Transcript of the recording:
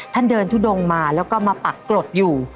ท่านเดินทุดงมาแล้วก็มาปักกรดอยู่